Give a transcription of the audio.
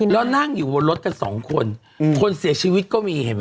แล้วนั่งอยู่บนรถกันสองคนคนเสียชีวิตก็มีเห็นไหม